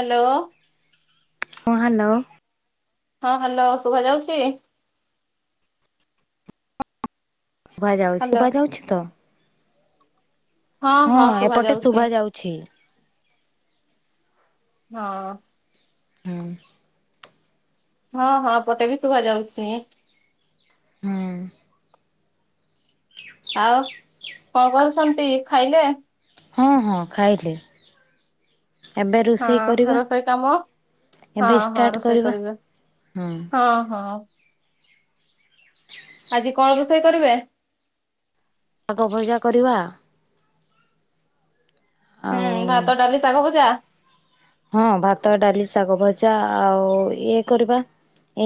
Hello ହଁ hello ହଁ hello ଶୁଭା ଯାଉଛି। ଶୁଭା ଯାଉଛି ହ୍ୟାଲୋ ଶୁଭା ଯାଉଛି ତ! ହଁ ଏପଟେ ଶୁଭା ଯାଉଛି। ହଁ। ହଁ। ହଁ ହଁ ପଟେ ବି ଶୁଭାଯାଉଛି। ହୁଁ। ଆଉ କଣ କରୁଛନ୍ତି ଖାଇଲେ? ହଁ ହଁ ଖାଇଲି ଏବେ ରୋଷେଇ ହଁ କରିବା। ରୋଷେଇ କାମ ହଁ ଏବେ ହଁ ଷ୍ଟାର୍ଟ ରୋଷେଇ କରିବା କରିବେ ହଁ। ଆଜି କଣ ରୋଷେଇ କରିବେ। ଶାଗ ଭଜା କରିବା। ଆଉ ହୁଁ ଭାତ, ଡାଲି ଶାଗ, ଭଜା ହଁ ଭାତ, ଡାଲି, ଶାଗ, ଭଜା ଆଉ ଇଏ କରିବା।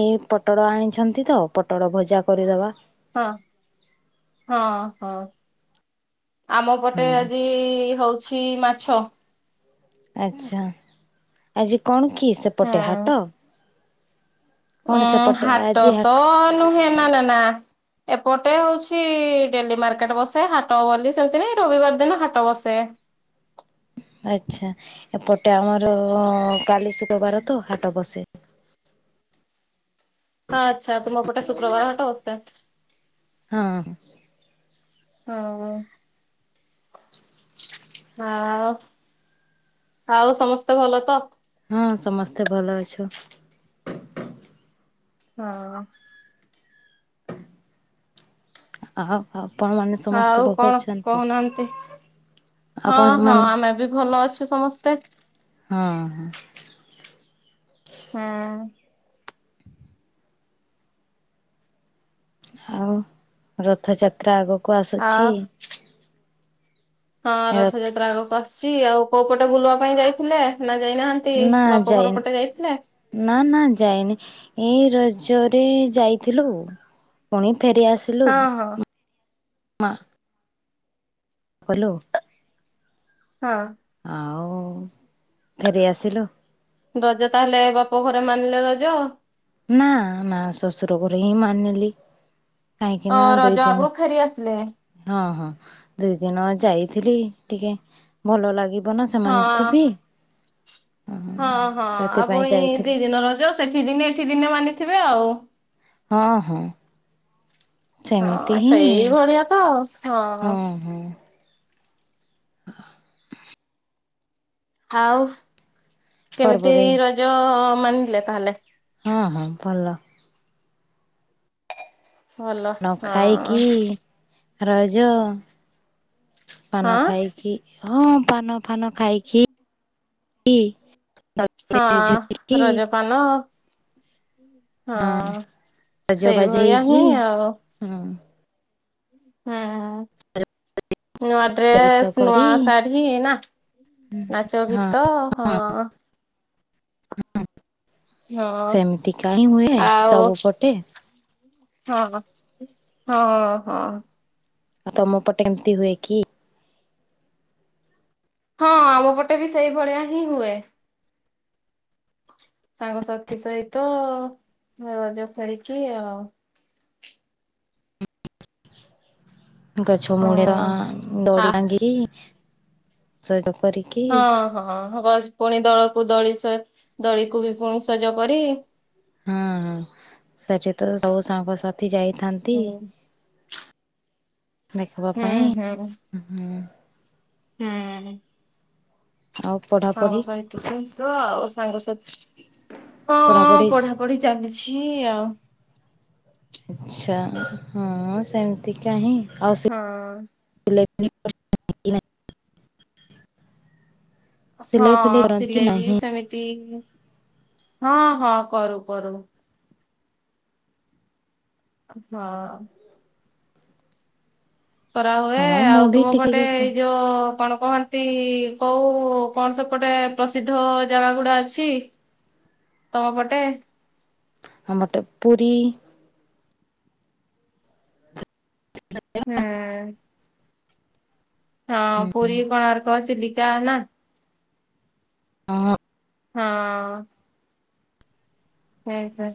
ଏ ପଟଳ ଆଣିଛନ୍ତି ତ ପଟଳ ଭଜା କରିଦେବା। ହଁ ହଁ ହଁ। ଆମ ପଟେ ହଁ ଆଜି ହଉଛି ମାଛ। ଆଚ୍ଛା ଆଜି କଣ କି ସେପଟେ ହାଟ? କଣ ଉୁଁ ସେପଟେ ହାତ ଆଜି ହା ତ ନୁହେ ନା ନେ ନା। ଏପଟେ ହଉଛି ଡେଲି ମାର୍କେଟ ବସେ ହାଟ ବୋଲି ସେମିତି ନାଇଁ ରବିବାର ଦିନ ହାଟ ବସେ। ଆଚ୍ଛା। ଏପଟେ ଆମର କାଲି ଶୁକ୍ରବାର ତ ହାଟ ବସେ। ହଁ ଆଚ୍ଛା ତୁମ ପୋଟେ ଶୁକ୍ରବାର ହାଟ ବସେ। ହଁ। ହଁ। ହଁ ଆଉ ସମସ୍ତେ ଭଲ ତ। ହଁ ସମସ୍ତେ ଭଲ ଅଛୁ। ହଁ। ଆଉ ଆପଣମାନେ ସମସ୍ତେ ଆଉ ଭଲ କଣ ଅଛନ୍ତି? କହୁନାହାନ୍ତି? ଆପଣ ହଁ- ହଁ ମାନେ ଆମେ ବି ଭଲ ଅଛୁ ସମସ୍ତେ। ହଁ। ହଁ। ଆଉ ରଥଯାତ୍ରା ଆଗକୁ ଆସୁଛି ଆଉ ହଁ ର ରଥଯାତ୍ରା ଆଗକୁ ଆସୁଛି, ଆଉ କୋଉ ପଟେ ବୁଲିବା ପାଇଁ ଯାଇଥିଲେ ନା ଯାଇନାହା ନା ଯାଇନି। ନା ନା ଯାଇନି, ଏଇ ରଜରେ ଯାଇଥିଲୁ। ପୁଣି ଫେରି ଆସିଲୁ, ହଁ ହଁ ମା ବୋପାଲୋ। ହଁ। ଆଉ ଫେରି ଆସିଲୁ ରଜ ତାହେଲେ, ବାପ ଘରେ ମାନିଲେ ରଜ। ନା -ନା ଶଶୁର ଘରେ ହିଁ ମାନିଲି। କାହିଁକି ଅ ନା ରଜ ଦୁଇ ଆଗରୁ ଦିନ ଫେରି ଆସିଲେ ହଁ- ହଁ ଦୁଇ ଦିନ ଯାଇଥିଲି, ଟିକେ ଭଲ ଲାଗିବ ନା ହଁ। ସେମାନଙ୍କୁ ବି ହଁ- ହଁ ଆଉ ସେଥିପାଇଁ ପୁଣି ଯାଇଥିଲି ଦି ଦିନ ରଜ, ସେଠି ଦିନେ ଏଇଠି ଦିନେ ମାନିଥିବେ ଆଉ। ହଁ- ହଁ। ସେମିତି ହଁ ହିଁ, ସେଇଭଳିଆ ତ ଆଉ ହଁ- ହଁ। ହ ଆଉ କେମିତି ପର୍ବରେ ରଜ ମାନିଲେ ତାହେଲେ? ହଁ- ହଁ ଭଲ। ଭଲ ନ ହଁ। ଖାଇକି ରଜ, ପାନ ହଁ ଖାଇକି ହଁ ପାନ ଫାନ ଖାଇକି ହଁ ଝୁଲିକି ରଜ ପାନ ହଁ ସେଇଭଳିଆ ହିଁ ଆଉ। ହୁଁ। ହୁଁ। ନୂଆ ଗୀତ ଡ୍ରେସ୍ ନୂଆ କରି ଶାଢୀ ନା, ନାଚ ହଁ ଗୀତ ହଁ। ହଁ ସେମିତି କାହିଁ ହୁଏ ଆଉ ସବୁ ପଟେ ହଁ- ହଁ- ହଁ- ହଁ। ଆଉ ତମ ପଟେ ଏମିତି ହୁଏ କି? ହଁ ଆମ ପଟେ ବି ସେଇଭଳିଆ ହିଁ ହୁଏ। ସାଙ୍ଗସାଥି ସହିତ ରଜ ଖେଳିକି ଆଉ। ଗଛ ମୂଳେ ହଁ। ଆ ଦୋଳି ଟାଙ୍ଗି, ସହିତ କରିକି ହଁ-ହ ବସ ପୁଣି ଦୋଳକୁ ଦଳି ସେ ଦୋଳିକୁ ବି ପୁଣି ସଜ କରି ହଁ- ହଁ ସେଠି ତ ସବୁ ସାଙ୍ଗସାଥି ଯାଇଥାନ୍ତି। ହୁଁ ଦେଖିବା ହୁଁ ପାଇଁ ହୁଁ ହୁଁ। ହୁଁ। ଆଉ ସାଙ୍ଗ ପଢାପଢି ସହିତ ଶ ଆଉ ସାଙ୍ଗସାଥୀ, ହଁ ପଢାପଢି ଚାଲି ଛି ଆଉ। ଆଛା ହଁ ସେମିତି କାହିଁ ଆଉ ହଁ। [unintelligible] ହଁ ଫିଲେଇ କରନ୍ତି କି ସିଲେଇ ବି ନାହିଁ ସେମିତି ହଁ- ହଁ କରୁ କରୁ ହଁ। କରା ହୁଏ, ହଁ ମୁଁ ଆଉ ବି ତୁମ ଟିକେ ପଟେ ଟିକେ ଏଇ ଯୋଉ କଣ କହ କୋଉ କଣ ସବୁ ଗୋଟେ ପ୍ରସିଦ୍ଧ ଜାଗା ଗୁଡା ଅଛି? ତମ ପଟେ? ଆମରଟେ ପୁରୀ। ହୁଁ। ହଁ ପୁରୀ କଣାର୍କ ଚିଲିକା ନା। ହଁ। ହଁ। ହଁ। ସେ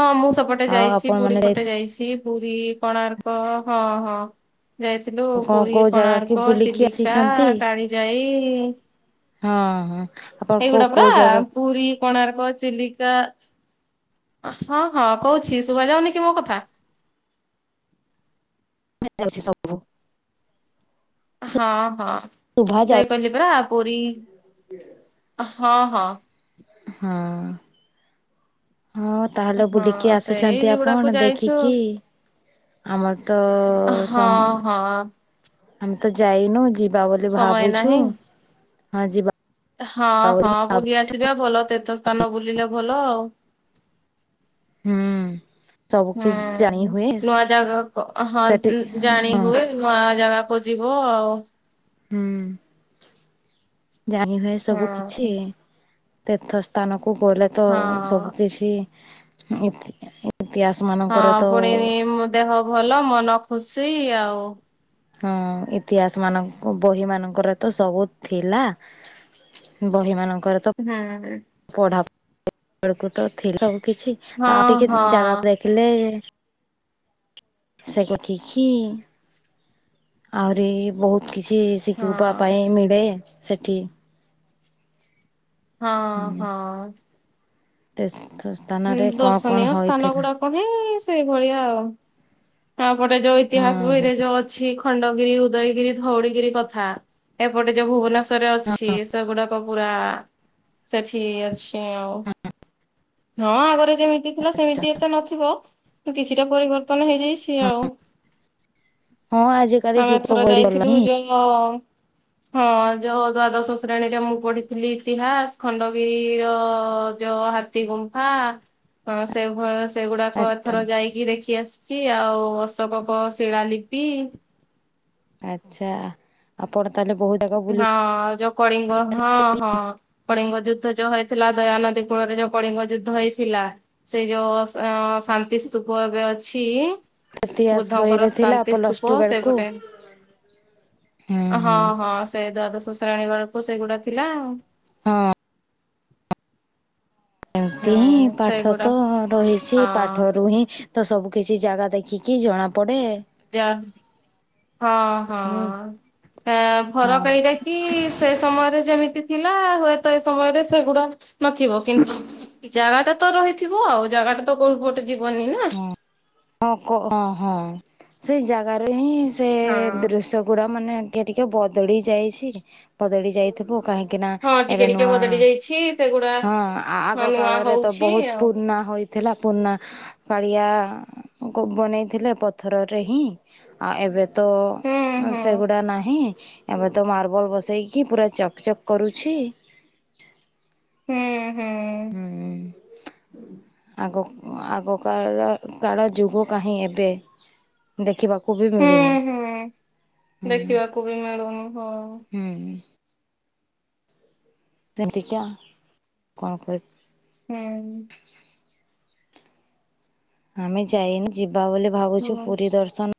ହଁ ମୁଁ ସେପଟେ ଆଉ ଯାଇଛି ଆପଣ ପୁରୀ ମାନେ ଯାଇ ପଟେ ଯାଇଛି। ପୁରୀ କୋଣାର୍କ ହଁ ହଁ। ଯାଇଥିଲୁ କଣ ପୁରୀ କୋଉ ଜାଗା କି କୋଣାର୍କ ବୁଲିକି ଚିଲିକା ଆସିଛନ୍ତି କାଳୀ ଯାଇ। ହଁ ହଁ। ଆପଣ କୋଉ ଏଇଗୁଡା ପୁରରା କୋଉ ଜାଗା ପୁରୀ କୋଣାର୍କ ଚିଲିକା। ହଁ ହଁ କହୁଛି ଶୁଭ ଯାଉନିକି ମୋ କଥା। [unintelligible] ଯାଉଛି ସବୁ। ହଁ ହଁ ଶୁଭା ଯାଉ ସେଇ କହିଲି ପୁରା ପୁରୀ ହଁ ହଁ। ହଁ। ହଁ ତାହେଲେ ହଁ ବୁଲିକି ସେଇ ଆସିଛନ୍ତି ଯୁଗୁଡାକୁ ଆପଣ ଯାଇଛୁ ଦେଖିକି ଆମର ତ ହଁ ସମ ହଁ। ଆମେ ତ ଯାଇନୁ ଯିବ ବା ବୋଲି ସମୟ ଭାବୁଛୁ। ନାହିଁ ହଁ ଯିବା ହଁ ବୋଲି ହଁ ଭାବୁ ବୁଲି ଆସିବା ଭଲ ତୀର୍ଥ ସ୍ଥାନ ବୁଲିଲେ ଭଲ ଆଉ ହୁଁ ସବୁ ହୁଁ କିଛି ଜାଣି ହୁଏ ନୂଆ ଜାଗା ହଁ ସେଠି ଜାଣି ହଁ ହୁଏ। ନୂଆ ଜାଗାକୁ ଯିବ ଆଉ ହୁଁ ଜାଣି ହୁଏ ସବୁ କିଛି ହଁ। ତୀର୍ଥ ସ୍ଥାନକୁ ଗଲେ ତ ହଁ ସବୁ କିଛି ଇତିହାସ ମାନଙ୍କର ହଁ ତ ପୁଣି ଦେହ ଭଲ ମନ ଖୁସି ଆଉ ହଁ ଇତିହାସ ମାନଙ୍କ ବହି ମାନଙ୍କର ତ ସବୁ ଥିଲା। ବହି ମାନଙ୍କରେ ତ ହୁଁ ହୁଁ ପଢା ପଢି ବେକୁ ତ ଥିଲା ସବୁ କିଛି ତ ଆଉ ହଁ ଟିକେ ହଁ ଜାଗାକୁ ଦେଖିଲେ। ସାଇଗୋଟିଖି ଆହୁରି ବହୁତ୍ କିଛି ହଁ [unintelligible] ସେଥି ହଁ ହଁ [unintelligible] ହୁଁ କଣ କଣ ଦର୍ଶନୀୟ ସ୍ଥାନ ହୋଇଥିଲା ଗୁଡ଼ା କୋନି ସେଇ ଭଳିଆ ଆଉ ଆଁ ପଟେ ଯୋଉ ହଁ ଇତିହାସ ହଁ ବହିରେ ଯୋଉ ଅଛି ଖଣ୍ଡଗିରି, ଉଦୟଗିରି, ଧଉଳିଗିରି କଥା ଏପଟେ ଯୋ ଭୁବନେଶ୍ୱର ରେ ହଁ ଅଛି। ସେଗୁଡାକ ପୁରା ସେଠି ଅଛି ଆଉ ହଁ ଆଗରେ ଯେମିତି ଥିଲା ଆଚ୍ଛା ସେମିତି ଏତେ ନଥିବ ତ କିଛିଟା ପରିବର୍ତ୍ତନ ହେଇଯାଇଚି ହଁ ଆଉ ହଁ ଆଜି କାଲି ଯୁକ୍ତ ବଢ଼ିଗଲାଣି। ହ ହଁ ଯୋଉ ଦ୍ଵାଦଶ ଶ୍ରେଣୀରେ ମୁଁ ପଢିଥିଲି ଇତିହାସ ଖଣ୍ଡଗିରିର ଯୋ ହାତୀ ଗୁମ୍ଫା ସେଇ ଭ ସେଇ ଗୁଡ଼ାକ ଆଚ୍ଛା ଏଥର ଯାଇ ଦେଖି ଆସିଛି ଆଉ ଅଶୋକ କ ଶିଳାଲିିପି ଆଚ୍ଛା ଆପଣ ତାହେଲେ ବହୁ ଜାଗା ବୁଲି ହଁ ଯୋଉ କଳିଙ୍ଗ ହଁ ହଁ କଳିଙ୍ଗ ଯୁଦ୍ଧ ଯୋଉ ହେଇଥିଲା ଦୟାନଦୀ କୂଳରେ ଯୋଉ କଳିଙ୍ଗ ଯୁଦ୍ଧ ହେଇଥିଲା। ସେଇ ଯୋଉ ଅସ୍ ଶାନ୍ତି ସ୍ତୁପ ଏବେ ଅଛି। ଇତିହାସ ବୁଦ୍ଧଙ୍କର ବହିରେ ଥିଲା ଶାନ୍ତି ସ୍ତୂପ ପ୍ଲସ୍ଟୁ ବେଳକୁ ସେପଟେ ହୁଁ, ହୁଁ। ସେଇ ଦ୍ୱାଦଶ ଶ୍ରେଣୀ ବେଳକୁ ସେଗୁଡ଼ା ଥିଲା ଆଉ। ହଁ। ଏମିତି ହିଁ ହଁ ପାଠ ସେଇଗୁଡା ତ ରହିଛି ହଁ ପାଠରୁ ହିଁ ତ ସବୁ କିଛି ଜାଗା ଦେଖିକି ଜଣା ପଡ଼େ। ଯା ହଁ, ହୁଁ ହଁ, ତା ଫରକ୍ ହଁ ଏଇଟା କି ସେ ସମୟରେ ଯେମିତି ଥିଲା ହୁଏତ ଏ ସମୟରେ ସେଗୁଡ଼ା ନଥିବ କି ଜାଗା ଟା ତ ରହିଥିବ ଆଉ ଜାଗାଟା ତ କୋଉ ପଟେ ଯିବନିନା। ହଁ ହଁ, କ ହଁ, ହଁ, ସେଇ ଜାଗାରେ ହିଁ ସେ ହଁ ଦୃଶ୍ୟ ଗୁଡ଼ା ମାନେ ଟିକେ ଟିକେ ବଦଳି ଯାଇଛି ବଦଳି ଯାଇଥିବ କାହିଁ କିନା ହଁ ଟିକେ ଏବେ ଟିକେ ନୂଆ ବଦଳି ଯାଇଛି ସେଗୁଡା ହଁ ହଁ ଆଗ ନୂଆ କାଳରେ ତ ହଉଛି ବହୁତ ଆଉ ପୁରୁଣା ହୋଇ ଥିଲା ପୁରାଣା କଳିଆଙ୍କୁ ବନେଇଥିଲେ ପଥରରେ ହିଁ ଆଉ ଏବେ ତ ହୁଁ ହୁଁ ସେଗୁଡା ନାହିଁ ଏବେ ତ ମାର୍ବଲ୍ ବସେଇକି ପୁରା ଚକ୍ ଚକ୍ କରୁଛି। ହୁଁ। ହୁଁ ହୁଁ। ଆଗ ଆଗକାଳର କାଳ ଯୁଗ କାହିଁ ଏବେ ଦେଖିବାକୁ ବି ହୁଁ ମିଳୁନି। ହୁଁ, ହୁଁ ଦେଖିବାକୁ ବି ମିଳୁନି ହଁ। ହୁଁ। ସେମିତିକା କ'ଣ କ ହୁଁ। ଆମେ ଯାଇନୁ ଯିବା ବୋଲି ଭାବୁଛୁ ହୁଁ। ପୁରୀ ଦର୍ଶନ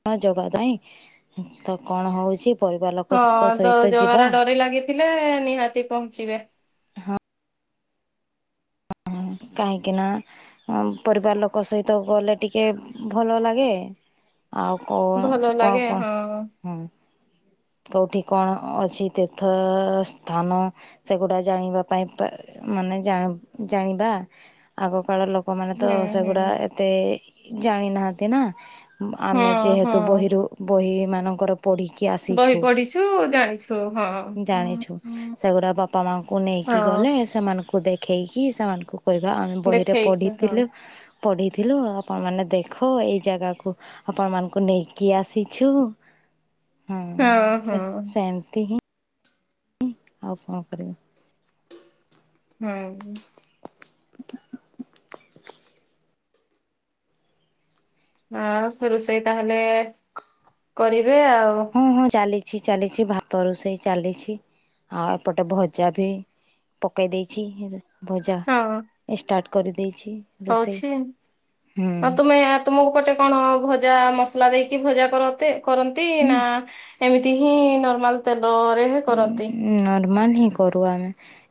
[unintelligible] ତ କ'ଣ ହଉଛି ପରିବାର ହଁ, ଲୋକଙ୍କ ତ ସହିତ ଜଗା ଯିବା ର ଡୋରି ଲାଗିଥିଲେ ନିହାତି ପହଞ୍ଚିବେ। ହୁଁ, କାହିଁକି ନା ପରିବାର ଲୋକ ସହିତ ଗଲେ ଟିକେ ଭଲ ଲାଗେ। ଆଉ କ'ଣ ଭଲ କ'ଣ ଲାଗେ କ'ଣ, ହଁ। ହୁଁ। କୋଉଠି କ'ଣ ଅଛି ତୀର୍ଥ ସ୍ଥାନ? ସେଗୁଡା ଜାଣିବା ପାଇଁ ପା ମାନେ ଜା ଜାଣିବା ଆଗ କାଳ ଲୋ କମାନେ ହୁଁ ତ ହୁଁ ସେଗୁଡ଼ା ଏତେ ଜାଣି ନାହାନ୍ତି ନା। ଆମେ ହଁ ଯେହେତୁ ବହିରୁ ହଁ ବହି ମାନଙ୍କରୁ ପଢିକି ଆସ ବହି ପଢିଛୁ ଜାଣିଛୁ ହଁ। ଜାଣିଛୁ ସେଗୁଡ଼ା ବାପା ମାଆଙ୍କୁ ନେଇକି ହଁ ଗଲେ ସେମାନଙ୍କୁ ଦେଖେଇକି ସେମାନଙ୍କୁ କହିବା ଆମେ ବହିରେ ଦେଖେଇଛୁ ହଁ ପଢ଼ିଥିଲୁ ପଢ଼ିଥିଲୁ ଆପଣମାନେ ଦେଖ ଏଇ ଜାଗାକୁ ଆପଣ ମାନଙ୍କୁ ନେଇକି ଆସିଛୁ। ହଁ, ସେ ହଁ। ସେମିତି ହିଁ ଆଉ କ'ଣ କରିବି? ହୁଁ। ଆଉ ରୋଷେଇ ତାହେଲେ କରିବେ ଆଉ। ହଁ, ହଁ, ଚାଲିଛି ଚାଲିଛି ଭାତ ରୋଷେଇ ଚାଲିଛି ଆଉ ଏପଟେ ଭଜା ଭି ପକେଇ ଦେଇଛି ଭଜା ହଁ। ଷ୍ଟାର୍ଟ କରିଦେଇଛି। ରୋଷେଇ ହଉଛି, ହୁଁ। ଆଉ ତୁମେ ତୁମ ପଟେ କ'ଣ ଭଜା ମସଲା ଦେଇକି ଭଜା କରନ୍ତି କରନ୍ତି ନା ଏମିତି ହିଁ ନର୍ମାଲ ତେଲ ରେ କରନ୍ତି। ନର୍ମାଲ ହିଁ କରୁ ଆମେ।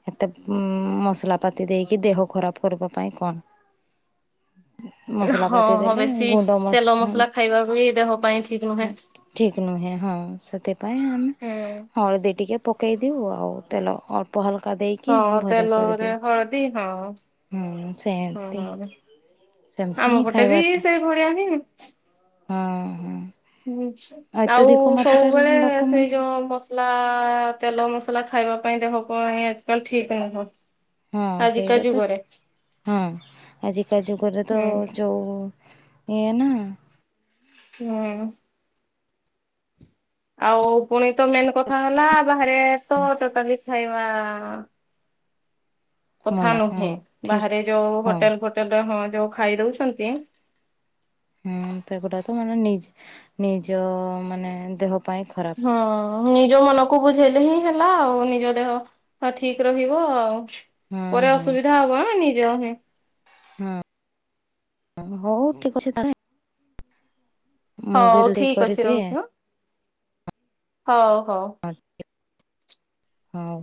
ଏତେ ଉ ମସଲା ପାତି ଦେଇକି ଦେହ ଖରାପ କରିବା ପାଇଁ କଣ ମସଲା ହଁ ହଁ ବାଟିଦେଲି ବେଶୀ ଗୁଣ୍ଡ ମସ ତେଲ ମସଲା ଖାଇବା ବି ଦେହ ପାଇଁ ଠିକ ନୁହେଁ। ଠିକ୍ ନୁହେଁ, ହଁ ସେଥିପାଇଁ ଆମେ ହୁଁ ହଳଦୀ ଟିକେ ଟିକେ ପକେଇ ଦିଉ ଆଉ ତେଲ ଅଳ୍ପ ହାଲକା ଦେଇକି ହଁ ଭଜା ତେଲରେ କରିଦିଉ ହଳଦୀ ହଁ ହୁଁ ସେମିତି ହଁ। ଆମ ହିଁ ପଟେ ବି ଖାଇବାଟା ସେଭଳିଆ ହିଁ। ହଁ ହଁ। ହୁଁ ଆଉ ଅତ୍ୟଧିକ ମାତ୍ରାରେ ସବୁବେଳେ ଲୋକମାନେ ସେଇ ଯୋଉ ମ ମସଲା ତେଲ ମସଲା ଖାଇବା ପାଇଁ ଦେହ ପାଇଁ ଆଜିକାଲି ଠିକ୍ ନୁହଁ। ହୁଁ ଆଜିକା ସେଇଟା ତ ଯୁଗରେ ହଁ ଆଜିକା ଯୁଗରେ ତ ହୁଁ ଯୋଉ ଏଇଆ ନା ହୁଁ। ଆଉ ପୁଣି ତ ମେନ୍ କଥା ହେଲା ବାହାରେ ତ ଟୋଟାଲୀ ଖାଇବା କଥା ମନା ହଁ ନୁହେଁ। ଠିକ୍ ବାହାରେ ଯୋଉ ହଁ ହୋଟେଲ ଫୋଟେଲ ହଁ ଯୋଉ ଖାଇ ଦଉଛନ୍ତି ହୁଁ ସେଗୁଡା ତ ମାନେ ନି- ନିଜ ମାନେ ଦେହ ପାଇଁ ଖରାପ ହଁ। ନିଜ ମନକୁ ବୁଝେଇଲେ ହିଁ ହେଲା ଆଉ। ନିଜ ଦେହ ଠିକ୍ ରହିବ ଆଉ। ହୁଁ ପରେ ହୁଁ। ଅସୁବିଧା ହବ ଆଁ ନେଇଯାଅ ହେଁ। ହୁଁ, ହଉ ଠିକ୍ ଅଛି ତାହେଲେ। ମୁଁ ବି ହଉ ରୋଷେଇ ଠିକ ଅଛି କରିଦିଏ ରହୁଛି ହଁ। ହଉ ହଉ। ହଉ।